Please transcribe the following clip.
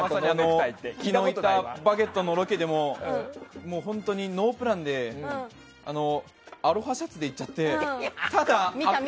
昨日行った「バゲット」のロケでも本当にノープランでアロハシャツで行っちゃって。